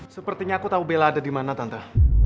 sepertinya aku tau bella ada dimana tante